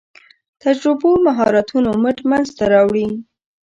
تجربو مهارتونو مټ منځ ته راوړي.